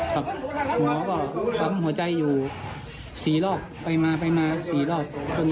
ขับหมอก็ปั๊มหัวใจอยู่สี่รอบไปมาไปมาสี่รอบ